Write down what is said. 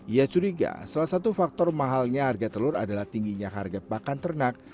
ia curiga salah satu faktor mahalnya harga telur adalah tingginya harga pakan ternak